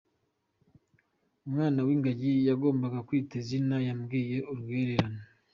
Umwana w’Ingagi yagombaga kwita izina yamwise “Urwererane”.